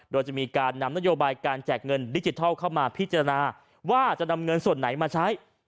โดยจะมีการนำนโยบายการแจกเงินดิจิทัลเข้ามาพิจารณาว่าจะนำเงินส่วนไหนมาใช้